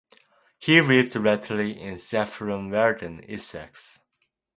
He lived latterly in Saffron Walden, Essex.